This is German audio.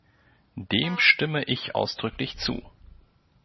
Dem stimme ich ausdrücklich zu.